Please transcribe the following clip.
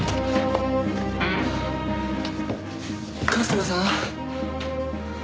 春日さん？